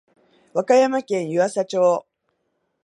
和歌山県湯浅町